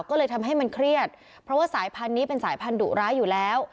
ก็เลยทำให้มันเครียดเพราะว่าสายพันธุ์นี้เป็นสายพันธุร้ายอยู่แล้ว